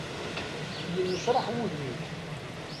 Yennecraḥ wudem-ik.